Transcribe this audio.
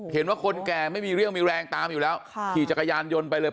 เห็นว่าคนแก่ไม่มีเรี่ยวมีแรงตามอยู่แล้วขี่จักรยานยนต์ไปเลย